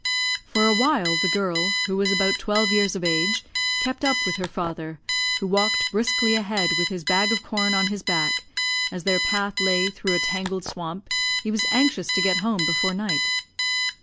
For a while the girl, who was about twelve years of age, kept up with her father, who walked briskly ahead with his bag of corn on his back, for, as their path lay through a tangled swamp, he was anxious to get home before night.